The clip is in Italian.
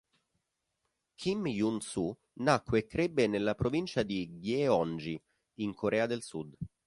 Kim Jun-su nacque e crebbe nella provincia di Gyeonggi, in Corea del Sud.